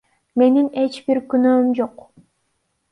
Менин эч бир күнөөм жок.